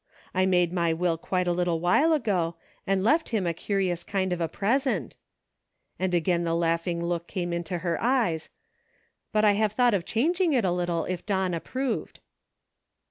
I made my will quite a little while ago, and left him a curious kind of a present," and again the laughing look came into her eyes ;" but I have thought of changing it a little if Don approved."